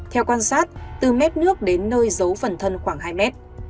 theo quan sát từ mét nước đến nơi giấu phần thân khoảng hai mét